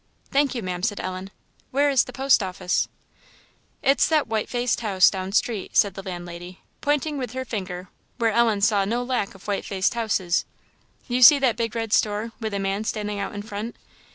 "Thank you, Ma'am," said Ellen; "where is the post office?" "It's that white faced house down street," said the landlady, pointing with her finger where Ellen saw no lack of white faced houses; "you see that big red store, with the man standing out in front?